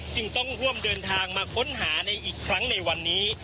จึงต้องร่วมเดินทางมาค้นหาในอีกครั้งในวันนี้